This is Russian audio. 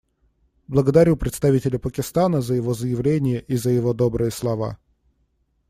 Благодарю представителя Пакистана за его заявление и за его добрые слова.